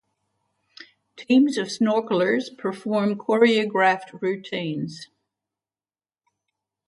Teams of snorkelers perform choreographed routines.